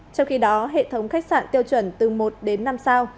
trong khi đó hệ thống khách sạn tiêu chuẩn từ một đến năm sao